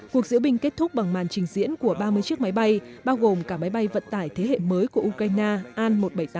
cuộc diễu binh kết thúc bằng màn trình diễn của ba mươi chiếc máy bay bao gồm cả máy bay vận tải thế hệ mới của ukraine an một trăm bảy mươi tám